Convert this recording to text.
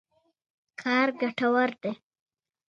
د خلکو د سرچینو زبېښاک په موخه اقتصادي بنسټونه ډیزاین شول.